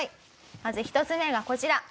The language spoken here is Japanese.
まず１つ目がこちら。